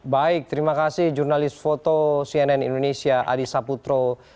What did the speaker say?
baik terima kasih jurnalis foto cnn indonesia adi saputro